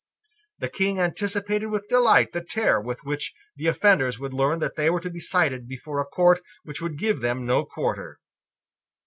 The King anticipated with delight the terror with which the offenders would learn that they were to be cited before a court which would give them no quarter.